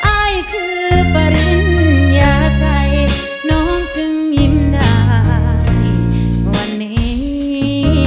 อายคือปริญญาใจน้องจึงยิ้มได้วันนี้